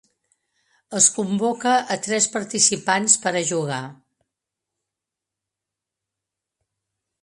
Es convoca a tres participants per a jugar.